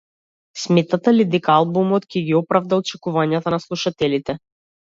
Сметате ли дека албумот ќе ги оправда очекувањата на слушателите?